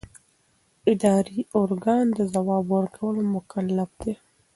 اداري ارګان د ځواب ورکولو مکلف دی.